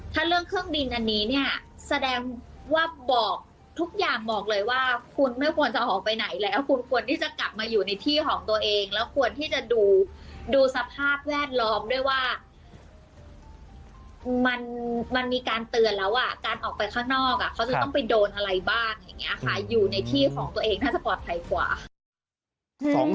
ถ้าเรื่องเครื่องบินอันนี้เนี่ยแสดงว่าบอกทุกอย่างบอกเลยว่าคุณไม่ควรจะออกไปไหนแล้วคุณควรที่จะกลับมาอยู่ในที่ของตัวเองแล้วควรที่จะดูสภาพแวดล้อมด้วยว่ามันมีการเตือนแล้วอ่ะการออกไปข้างนอกเขาจะต้องไปโดนอะไรบ้างอย่างนี้ค่ะอยู่ในที่ของตัวเองถ้าจะปลอดภัยกว่า